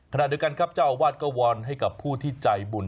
ขณะเดียวกันครับเจ้าอาวาสก็วอนให้กับผู้ที่ใจบุญ